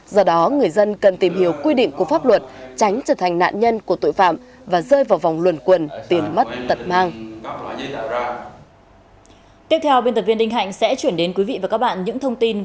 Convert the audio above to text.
do đó người dân cần tìm hiểu quy định của pháp luật tránh trở thành nạn nhân của tội phạm và rơi vào vòng luẩn quần tiền mất tật mang